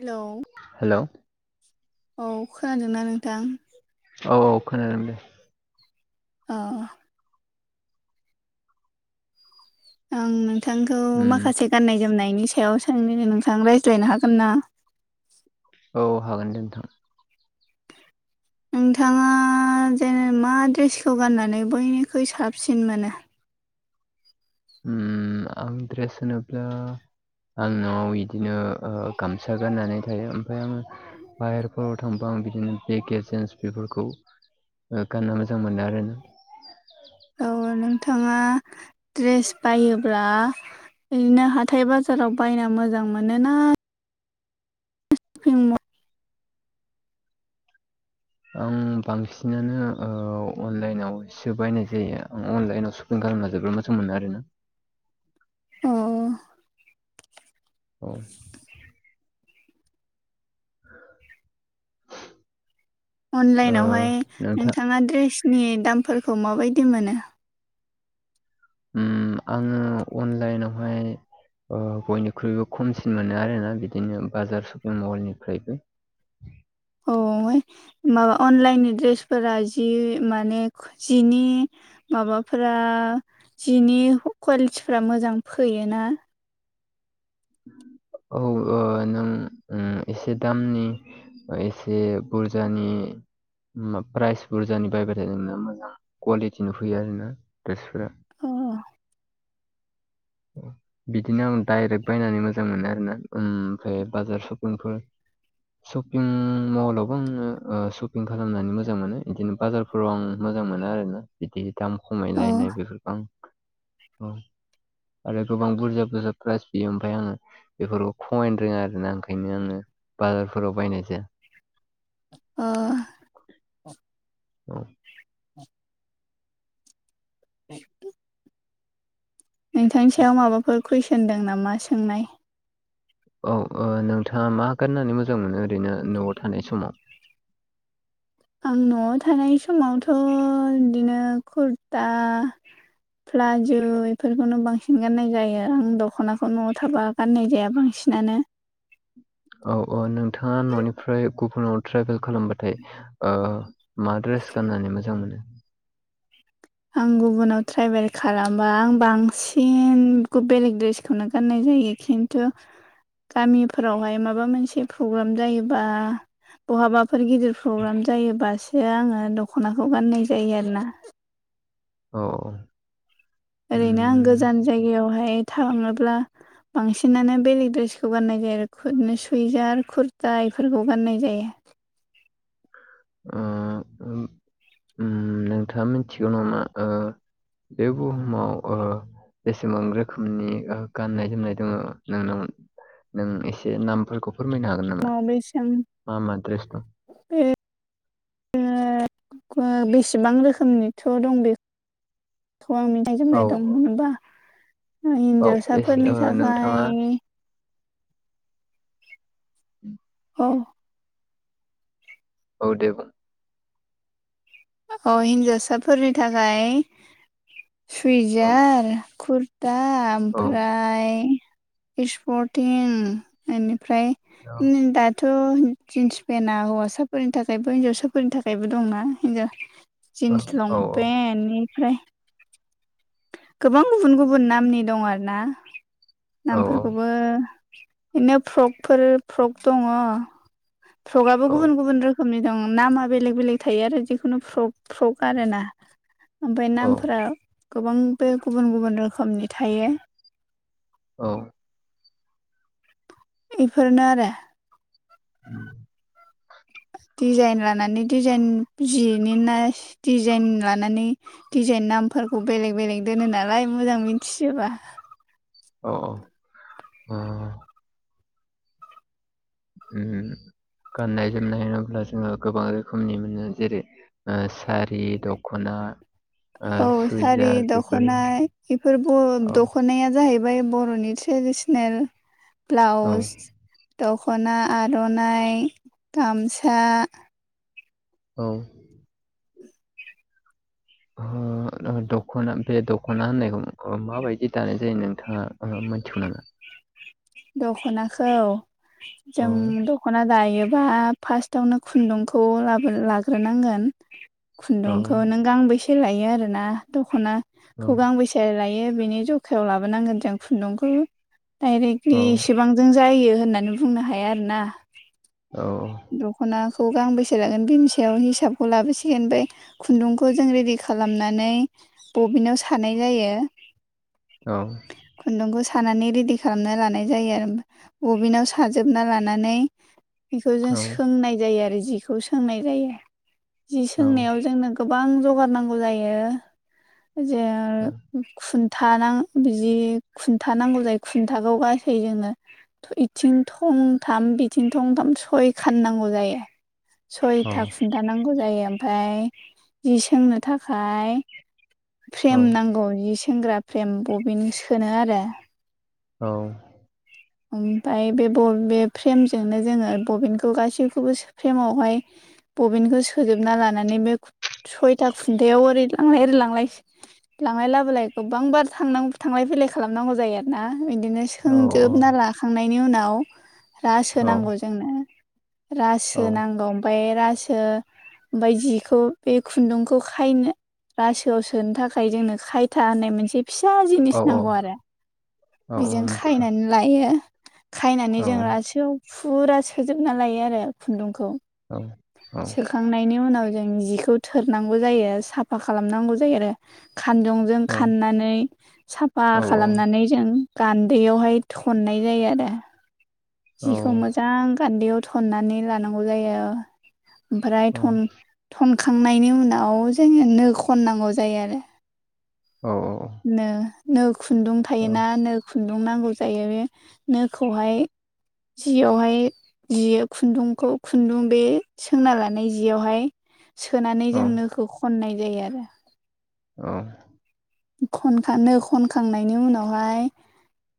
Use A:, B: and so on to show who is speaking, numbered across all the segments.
A: Hello
B: hello
A: औ खोनादोंना नोंथां
B: औ औ खोनादों दे
A: अ आं नोंथांखौ
B: उम
A: माखासे गाननाय जोमनायनि सायाव सों नोंथां रायज्लायनो हागोन ना
B: औ हागोन दे नोंथां
A: नोंथाङा जेन मा दड्रेसखौ गाननानै बयनिख्रुइ साबसिन मोनो
B: ओमफ्रायेस होनोब्ला आं न'आव बिदिनो गामसा गाननानै थायो ओमफ्राय आङो बाहेरफोराव थांबा आं बिदिनो मेगेजेन्स बेफोरखौ गाननो मोजां मोनो आरो ना
A: औ नोंथाङा ड्रेस बायोब्ला ओदिैनो हाथथाय बाजाराव बायना मोजां मोनोना [unintelligible]
B: आं बांसिनानो ओ अनलाइनावसो बायनाय जायो आं अनलाइनाव स खालामना जोबोर मोजां मोनो आरोना
A: अ
B: औ [inaudible] ओ
A: अनलाइनावहाय
B: नोंथां
A: नोंथाङा ड्रेसनि दामफोरखौ माबायदि मोनो
B: आङो अनलाइनावहाय बयनिख्रुइबो खमसिन मोनो आरोना बिदिनो बाजार सपिं मलनिफ्रायबो
A: औफ्राय माबा अनलाइननि दड्रेसफोरा जि माने जिनि माबाफोरा जिनि कुवालिटिफ्रा मोजां फैयोना
B: औ नों एसे दामनि एसे बुरजानि हा प्राइस बुरजानि बायबाथाय जोंना मोजां कुवालिटिनि फैयो आर ना ड्रेसफोरा
A: अ
B: अ बिदिनो आं दडायरेक्ट बायनानै मोजां मोनो आरोना ओमफ्राय बाजार सफिंफोर शपिं मलावबो आङो शपिं खालामनानै मोजां मोनो इदिनो बाजार बे फोराव आं मोजां मोनो आरोना बिदि दाम
A: अ
B: खमायलायनाय बेफोरखौ आं आरो गोबां बुरजा बुरजा प्राइज बियो ओमफ्राय आङो बेफोरखौ खमायनो रोङा आरोना ओंखायनो आङो बाजारफोराव बायनाय जाया
A: अ
B: औ
A: बे नोंथांनि सायाव माबाफोर कुइसन दं नामा सोंनाय
B: औ नोंथाङा मा गाननानै मोजां मोनो ओरैनो न'आव थानाय समाव
A: आं न'आव थानाय समावथ' बिदिनो कुरता प्लाजु बेफोरखौनो बांसिन गाननाय जायो आं दख'नाखौ न'आव थाबा गाननाय जाया बांसिनानो
B: औ औ नोंथाङा न'निफ्राय गुबुनाव ट्रेभेल खालामबाथाय ओ मा रेस गाननानै मोजां मोनो
A: आं गुबुनाव ट्राइभेल खालामबा आं बांसिन बेलेग दड्रेसखौनो गाननाय जायो खिन्थु गामिफोरावहाय माबा मोनसे प्रग्राम जायोबा बहाबाफोर गिदिर प्रग्राम जायोबासो आङो दख'नाखौ गाननाय जायो आरोना
B: औ औ
A: ओरैनो आं
B: उम
A: गोजान जायगायावहाय थाङोब्ला बांसिनानो बेलेग दड्रेसखौ गाननाय जायो आरोनो सुइजार कुरता बेफोरखौ गाननाय जायो
B: नोंथाङा मिथिगौ नामा बे बुहुमाव बेसेबां रोखोमनि गाननाय जोमनाय दङ नोंनाव नों एसे नामफोरखौ फोरमायनो हागोन नामा
A: माव बेसेबां
B: मा मा दड्रेस दं
A: बेसेबां रोखोमनिथ' दं बेखौ आं मिथि
B: औ
A: गनाय जोमनाय दं मोनबा
B: औ एसे
A: हिनजावसाफोरनि
B: ओ नोंथाङा
A: थाखाय
B: उम
A: उम
B: औ दे बुं
A: औ हिन्जावसाफोरनि थाखाय
B: औ
A: सुइजार कुर दा
B: औ
A: ओमफ्राय सपर्टिं बेनिफ्राय दा थ' जिन्स पेन्टआ हौवासाफोरनि थाखायबो हिनजावसाफोरनि थाखायबो दंना हिनजाव
B: औ
A: जिन्स
B: औ औ
A: लंपेन्टनिफ्राय गोबां गुबुन गुबुन नामनि दं आरो ना
B: औ
A: नामफोरखौबो बो बिनो फ्रकफोर फ्रक दङ फ्रगाबो
B: औ
A: गुबुन गुबुन रो रोखोमनि दं नामा बेलेग बेलेग थायो आरो जिखुनु फ्रक फ्रक आर ना ओमफ्राय
B: औ
A: नामफोरा गोबां बे गुबुन गुबुन रोखोमनि थायो
B: औ
A: इफोरनो आरो
B: [inaudible]
A: डिजाइन लानानै डिजाइन जिनि ना डिजाइन लानानै दिडिजाइन नामफोरखौ बेलेग बेलेग दोनो नालाय मोजां मिथिजोबा
B: औ औ ओ गाननाय जोमनाय होनोब्ला जोङो गोबां रोखोमनि मोनो जेरै ओ सारि, दख'ना ओ
A: औ सारि,
B: सुइजार बेफोर
A: दख'ना बेफोरब
B: औ
A: दख'नाया जाहैब बाय बर'नि ट्रेडिसनेल
B: औ
A: ब्लाउस दख'ना, आर'नाइ, गामसा
B: औ ओ दख'ना बे दख'ना होननायखौ ओ माबायदि दानाय जायो नोंथाङा ओ मिथिगौ नामा?
A: दख'नाखौ
B: औ
A: जों दख दख'ना दायोबा फार्स्टावनो खुन्दुंखौ लाबो लाग्रोनांगोन
B: औ
A: खुन्दुंखौ नों गांबेैसे लायो आरोना
B: औ
A: दख'नाखौ गांबेस से लायो बेनि जखायाव लाबोनांगोन जों खुन्दुंखौ डाइरेक्टलि इसेबां जों जायो होननानै बुंनो हाया आरोना
B: औ
A: दख'नाखौ गांबेसे लागोन बिनिसायाव हिसाबखौ लाबोसिगोन ओमफाय खुन्दुंखौ जों रेडि खालामनानै बबिनाव सानाय जायो
B: औ
A: खुन्दुंखौ सानानै रेडि खालामना लानाय जायो आरो बबिनाव साजोबना लानानै बेखौ
B: औ
A: जों सोंनाय जायो आरो जिखौ सोंनाय जायो जि
B: औ
A: सोंनायाव जोंनो गोबां जगार नांगौ जायो जे
B: औ
A: खुन्था नां बिदि खुन्था नांगौ जायो खुन्थाखौ गासै जोंनो बिथिं थंथाम बिथिं थंथाम स सयखान नांगौ जायो
B: औ
A: सयथा खुन्था नांगौ जायो ओमफाय जि सोंनो थाखाय फ्रेम नांगौ जि सोंग्रा फ्रेम बबिन सोनोआरो
B: औ
A: ओमफ्राय बेब बे फ्रेमजोंनो जोङो बबिनखौ गासैखौबो सोफ्रेमावहाय बबिनखौ सोजोबना लानानै बे सयथा खुन्थायाव ओरै लांलाय ओरै लांलाय लांलाय लाबोलाय गोबांबार थांनां थांलाय फैलाय खालामनांगौ जायो आरोना बिदिनो सोंजोबना लाखांनायनि उनाव रासो
B: औ
A: नांगौ जोंनो रासो
B: औ
A: नांगौ ओमफाय रासो ओमफाय जिखौ बे खुन्दुंखौ खायनो रासोआव सोनो थाखाय जोंनो खायथा होननाय मोनसे फिसा
B: औ
A: जिनिस
B: औ
A: नांगौआरो
B: औ औ
A: बेजों
B: मिथिगौ
A: खायनानै लायो खायनानै जों रासोआव फुरा सोजोबना लायोआरो खुन्दुंखौ
B: औ औ
A: खांनायनि उनाव जों जिखौ थोरनांगौ जायो साफा खालामनांगौ जायो आरो खानजं जों
B: औ
A: खाननानै साफा
B: औ
A: खालामनानै जों गान्दैयावहाय थननाय जायोआरो
B: औ
A: जिखौ मोजां गान्दैयाव थननानै लानांगौ जायो ओमफ्राय थन-थनखांनायनि उनाव जोङो नो खननांगौ जायोआरो
B: औ औ औ
A: नो नो खुन्दुं थायोना नो खुन्दुं नांगौ जायो बे नोखौहाय जियावहाय जियो खुन्दुंखौ खुन्दुं बे सोंना लानाय जियावहाय सोनानै जों नोखौ खननाय जायो आरो
B: औ
A: खनखानो खनखांनायनि उनावहाय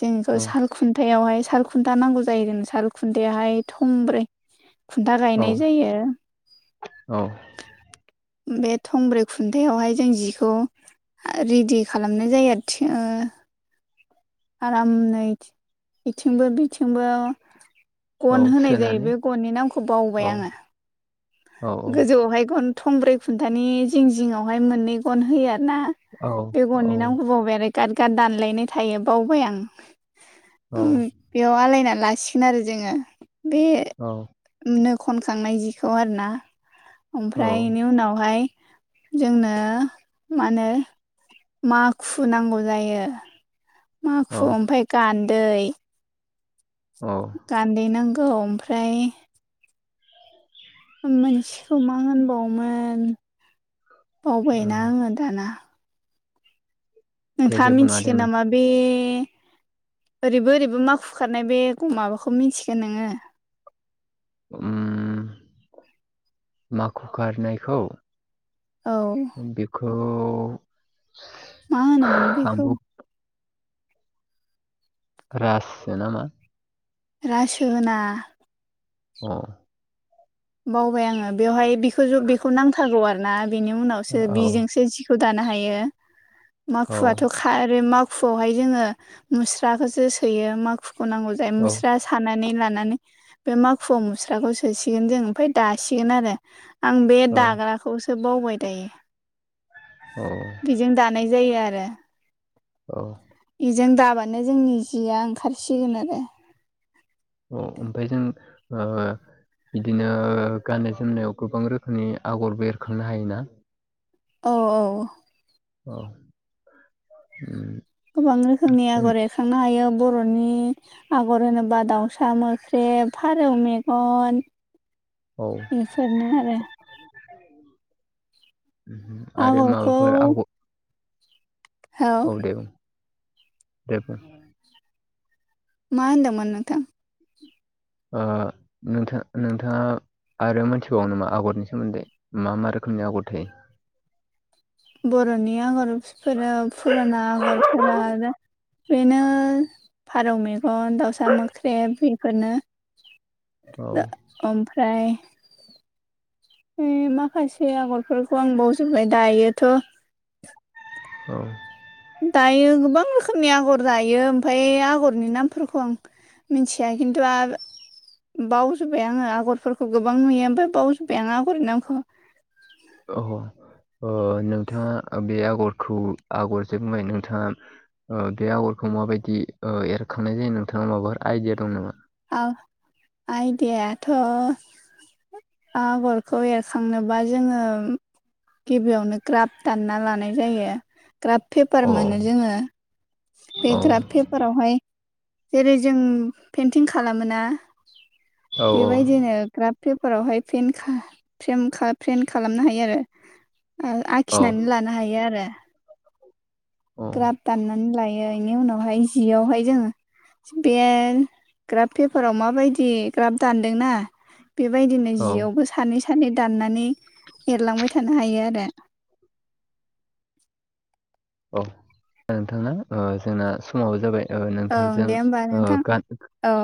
A: जों बेखौ साल खुन्थायावहाय साल खुन्था नांगौ जायो जोंनो साल खुन्थायाहाय थंब्रै खुन्था
B: औ
A: गायनाय जायो
B: औ
A: बे थंब्रै खुन्थायावहाय जों जिखौ रेडि खालामनाय जायो आरो थि ओ आरामै बिथिंबो बिथिंबो
B: औ
A: गन होनाय जायो
B: सोनानै
A: बे गननि नामखौ बावबाय
B: औ
A: आङो
B: औ
A: गोजौआवहाय गन थंब्रै खुन्थानि जिं जिंआवहाय मोननै गन होयो आरो ना
B: औ
A: बे
B: औ
A: गननि नामखौ बावबाय आरो गारगार दानलायनाय थायो बावबाय आं
B: औ
A: बेयाव आलायनानै लासिगोन आरो जोङो बे
B: औ
A: नो खनखांनाय जिखौ आर ना ओमफ्राय बेनि उनावहाय जोंनो मा होनो माखु नांगौ जायो माखु ओमफफ्राय गान्दै
B: औ
A: गान्देनांगौ ओमफ्राय मोनसेखौ मा होनबावोमोन बावबायना आङो दाना
B: दे
A: नोंथाङा
B: जेबो नङा दे
A: मिथिगोन नामा? बे ओरैबो ओरैबो मा खुरखारनाय बे माबाखौ मिन्थिगोन नोङो?
B: ओ माखु गारनायखौ?
A: औ
B: बेखौ
A: मा होनोमोन बेखौ
B: आंबो रासो नामा?
A: रासुना
B: अ
A: बावबाय आङो बेवहाय बेखौ ज बेखौ नांथारगौ आरोना बिनि उनावसो
B: औ
A: बिजोंसो जि दानो हायो माखुवथ'
B: औ
A: माखुआवहाय जोङो मुस्राखौसो सोयो माखुखौ नांगौ जायो मुस्रा थानानै लानानै बे माखुवआव मुस्राखौ सोसिगोन जों ओमफफ्राय दासिगोन आरो आं बे
B: औ
A: दाग्राखौसो बावबाय दायो
B: औ
A: बेजों दानाय जायो आरो
B: औ
A: बेजों दाबानो जोंनि जिया ओंखारसिगोन आरो
B: अ ओमफ्राय जों बिदिनो गाननाय जोमनायाव गोबां रोखोमनि आगरबो एरखांनो हायोना?
A: औ औ
B: अ
A: गोबां रोखोमनि आगर एरखांनो हायो बर'नि आगर होनोबा दाउसा मोख्रेब फारौ मेगन
B: औ
A: इफोरनो आरो
B: आरो
A: आगरखौ
B: माबाफोर आगर औ दे बुं दे बुं
A: मा होनदोंमोन नोंथां
B: ओ नोंथां नोंथाङा आरो मोनथिबाव नामा आगरनि सोमोन्दै मा मा रोखोमनि आगर थायो!
A: बर'नि आगरफोरा फुराना आगरफोरा बेनो फारौ मेगन दाउसा मोख्रेब बेफोरनो
B: औ
A: ओमफ्राय है माखासे आगरफोरखौ आं बावजोबबाय दायोथ'
B: औ
A: दायो गोबां रोखोमनि आगर दायो ओमफ्राय आगरनि नामफोरखौ आं मिथिया खिन्थु आरो बाजोब्बाय आङो आगरफोरखौ गोबां नुयो ओमाय बावजोब्बाय आङो आगरनि नामखौ
B: अह ओ नोंथाङा बे आगरखौ आगरजों बुंबाय नोंथाङा बे आगरखौ माबायदि एरखांनाय जायो नोंथाङा माबाफोर आइडिया दं नामा
A: औ आइदियाथ' आगरखौ एरखांनोबा जोङो गिबियावनो ग्राफ दानना लानाय जायो‌ ग्राफ पेपार
B: अ
A: मोनो जोङो बे
B: औ
A: ग्राफ पे फोरावहाय जेरै जों पेइन्टिं खालामोना
B: औ औ
A: बेेबायदिनो ग्राफ पेपारावहाय पेन खा फ्रेमखा फ्रेम खालामनो हायो आरो
B: औ
A: आखिनानै लानो हायो आरो।
B: औ
A: ग्राफ दाननानै लायो बेनि उनावहाय जियावहाय जोङो बे ग्राफ पेपाराव माबायदि ग्राफ दानदोंना बेबायदिनो
B: औ
A: जियावबो सानै सानै दाननानै एरलांबाय थानो हायो आरो।
B: औ नोंथां ओ जोंना समावबो जाबाय ओ
A: औ
B: नोंथांजों
A: दे होमबा
B: ओ
A: नोंथां
B: गान
A: औ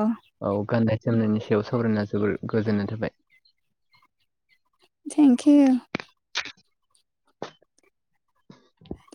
B: औ गान्नाय जोमनायनि सायाव सावरायना जोबोर गोजोननाय थाबाय।
A: Thank you.
B: [inaudible]